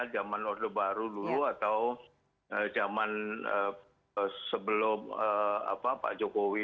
zaman orde baru dulu atau zaman sebelum pak jokowi